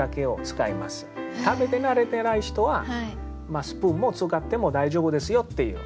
食べて慣れてない人はスプーンも使っても大丈夫ですよっていう。